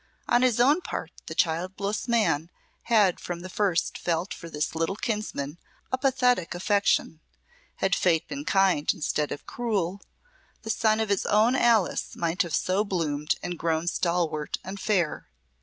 On his own part the childless man had from the first felt for his little kinsman a pathetic affection. Had fate been kind, instead of cruel, the son of his own Alice might have so bloomed and grown stalwart and fair.